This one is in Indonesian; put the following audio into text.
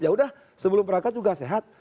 yaudah sebelum berangkat juga sehat